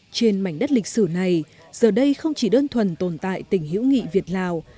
trong cảnh đất lịch sử này giờ đây không chỉ đơn thuần tồn tại tình hữu nghị việt lào